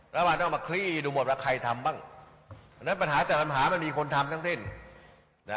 เราอาจต้องมาครี้ดูหมดละใครทำบ้างปัญหาแต่มันมีคนทำทั้งสิ้น